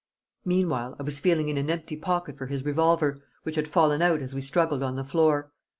Meanwhile I was feeling in an empty pocket for his revolver, which had fallen out as we struggled on the floor.